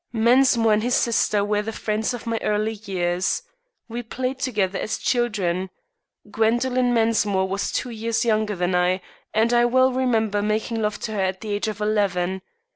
Mensmore and his sister were the friends of my early years. We played together as children. Gwendoline Mensmore was two years younger than I, and I well remember making love to her at the age of eleven.